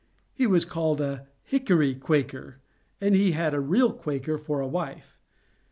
He was called a Hickory Quaker, and he had a real Quaker for a wife.